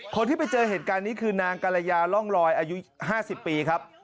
คนที่ไปเจอเหตุการณ์นี้คือนางกรยาร่องลอยอายุ๕๐ปีครับ